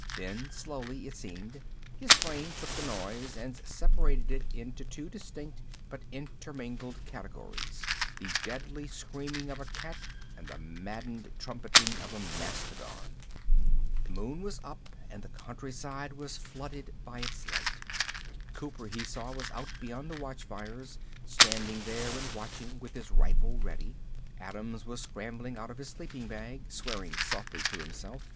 Then, slowly, it seemed his brain took the noise and separated it into two distinct but intermingled categories, the deadly screaming of a cat and the maddened trumpeting of a mastodon. The Moon was up and the countryside was flooded by its light. Cooper, he saw, was out beyond the watchfires, standing there and watching, with his rifle ready. Adams was scrambling out of his sleeping bag, swearing softly to himself.